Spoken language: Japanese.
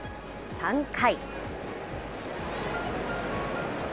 ３回。